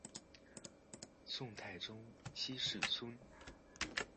宋太宗七世孙。